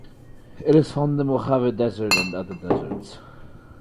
It is found in the Mojave Desert and other deserts.